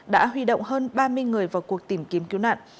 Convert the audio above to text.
đã huy động hơn ba mươi người vào cuộc tìm kiếm cứu nạn